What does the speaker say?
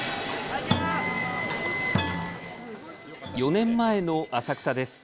４年前の浅草です。